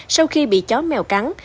sau khi bị chó mèo cắn